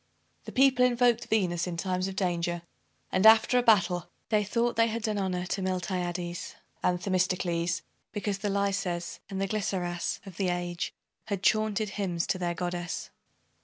The people invoked Venus in times of danger; and, after a battle, they thought they had done honor to Miltiades and Themistocles, because the Laises and the Glyceras of the age had chaunted hymns to their Goddess.